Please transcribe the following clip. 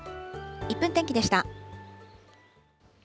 １分天気でした。